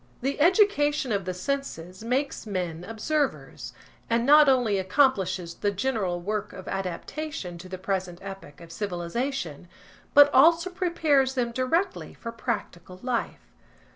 The education of the senses makes men observers, and not only accomplishes the general work of adaptation to the present epoch of civilisation, but also prepares them directly for practical life.